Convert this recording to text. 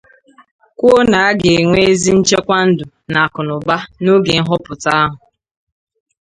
kwuo na a ga-enwe ezi nchekwa ndụ na akụnaba n'oge nhọpụta ahụ